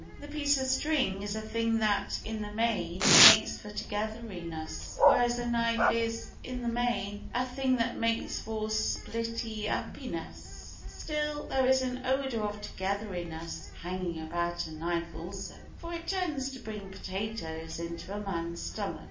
A piece of string is a thing that, in the main, makes for togetheriness; whereas a knife is, in the main, a thing that makes for splitty uppiness; still, there is an odour of togetheriness hanging about a knife also, for it tends to bring potatoes into a man's stomach.